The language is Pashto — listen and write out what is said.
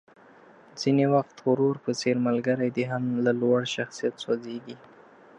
ځينې وخت ورور په څېر ملګری دې هم له لوړ شخصيت سوځېږي.